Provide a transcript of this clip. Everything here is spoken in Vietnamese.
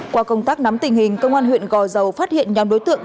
qua công tác nắm tình hình công an huyện gò dầu phát hiện nhóm đối tượng